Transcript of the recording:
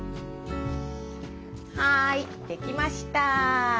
はい出来ました！